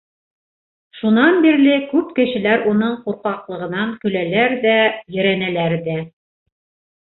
Шунан бирле күп кешеләр уның ҡурҡаҡлығынан көләләр ҙә, ерәнәләр ҙә.